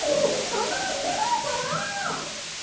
おならしてないから！